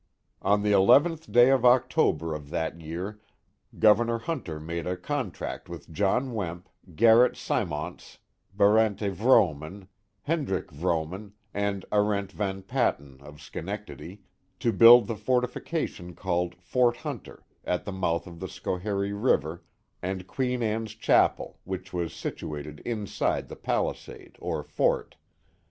On the nth day of October of that year. Governor Hunter made a con tract with John Wemp, Garret Symonce, Barent Vroman, Hendrick Vroman, and Arent Van Patten, of Schenectady, to build the fortification called Fort Hunter, at the mouth of the Schoharie River, and Queen Anne's Chapel, which was situ ated inside the palisade or fort.